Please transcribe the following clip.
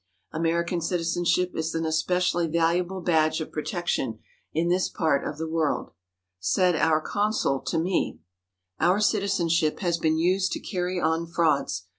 American citizenship is an es 69 THE HOLY LAND AND SYRIA pecially valuable badge of protection in this part of the world. Said our consul to me: "Our citizenship has been used to carry on frauds.